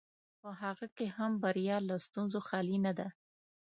په هغه کې هم بریا له ستونزو خالي نه ده.